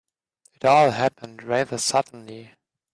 It all happened rather suddenly.